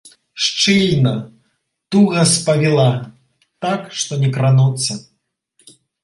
Шчыльна, туга спавіла, так, што не крануцца.